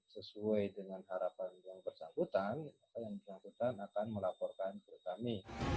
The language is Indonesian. sesuai dengan harapan yang bersangkutan maka yang bersangkutan akan melaporkan ke kami